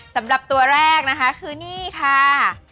สำหรับตัวแรกนะคะคือนี่ค่ะ